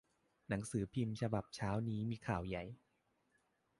หนังสือพิมพ์ฉบับเช้านี้มีข่าวใหญ่